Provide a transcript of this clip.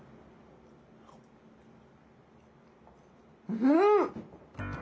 うん！